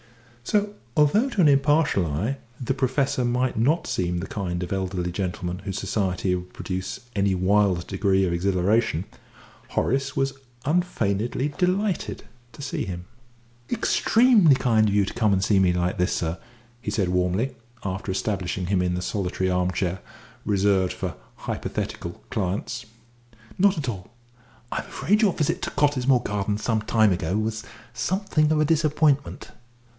So, although to an impartial eye the Professor might not seem the kind of elderly gentleman whose society would produce any wild degree of exhilaration, Horace was unfeignedly delighted to see him. "Extremely kind of you to come and see me like this, sir," he said warmly, after establishing him in the solitary armchair reserved for hypothetical clients. "Not at all. I'm afraid your visit to Cottesmore Gardens some time ago was somewhat of a disappointment."